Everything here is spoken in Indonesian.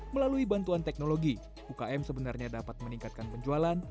melalui bantuan teknologi ukm sebenarnya dapat meningkatkan penjualan